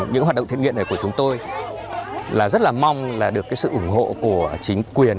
những hoạt động thiện nghiện này của chúng tôi là rất là mong được sự ủng hộ của chính quyền